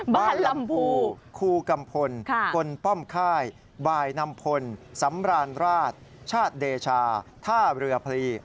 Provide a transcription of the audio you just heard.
ลำพูคูกัมพลคนป้อมค่ายบ่ายนำพลสำราญราชชาติเดชาท่าเรือพลี